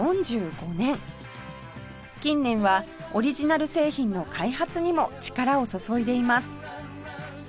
近年はオリジナル製品の開発にも力を注いでいます